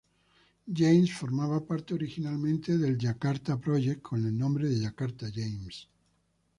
James formaba parte originalmente del Jakarta Project con el nombre de Jakarta-James.